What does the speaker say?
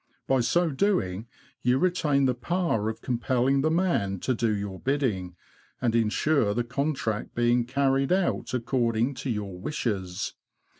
By so doing, you retain the power of com pelling the man to do your bidding, and insure the contract being carried out according to your wishes.